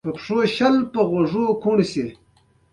نږدېوالی د باور نتیجه ده.